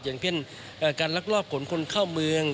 อย่างเช่นการลักลอบขนคนเข้าเมือง